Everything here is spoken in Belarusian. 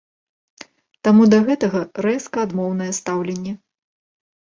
Таму да гэтага рэзка адмоўнае стаўленне.